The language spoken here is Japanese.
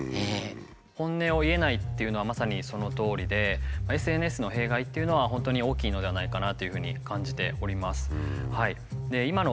本音を言えないっていうのはまさにそのとおりでＳＮＳの弊害っていうのは本当に大きいのではないかなというふうに感じております。